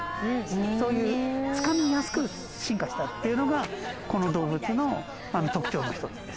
そういう掴みやすく進化したっていうのがこの動物の特徴の一つです。